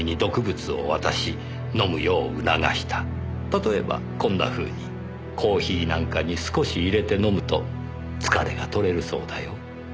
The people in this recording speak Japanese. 例えばこんなふうに「コーヒーなんかに少し入れて飲むと疲れが取れるそうだよ」。